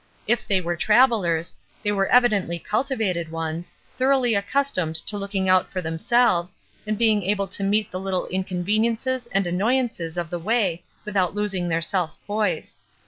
If they were travellers, they were evidently cultivated ones, thoroughly accustomed to looking out for themselves, and being able to meet the little inconveniences and annoyances of the way without losing their self poise.